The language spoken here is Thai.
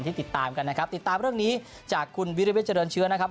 ติดตามกันนะครับติดตามเรื่องนี้จากคุณวิริวิทเจริญเชื้อนะครับ